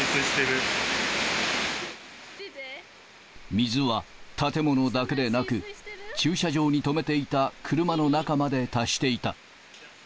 水は建物だけでなく、駐車場に止めていた車の中まで達していた。